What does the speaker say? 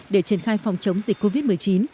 để triển khai phòng chống dịch covid một mươi chín